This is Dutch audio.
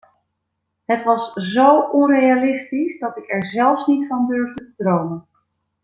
Het was zo onrealistisch dat ik er zelfs niet van durfde te dromen.